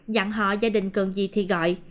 dặn họ gia đình cần gì thì gọi